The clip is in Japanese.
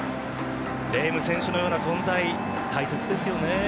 レーム選手のような存在大切ですよね。